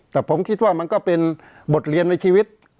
แต่ผมคิดว่ามันก็เป็นบทเรียนในชีวิต